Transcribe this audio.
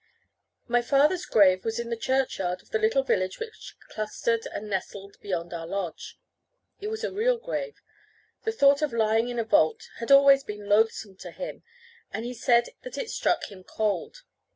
My father's grave was in the churchyard of the little village which clustered and nestled beyond our lodge. It was a real grave. The thought of lying in a vault had always been loathsome to him, and he said that it struck him cold.